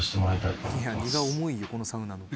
いや荷が重いよこのサウナ。